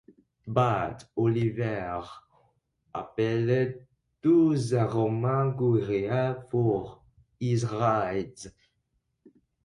But Oliver appealed to the Roman Curia for his rights.